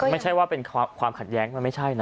ไม่ใช่ว่าเป็นความขัดแย้งมันไม่ใช่นะ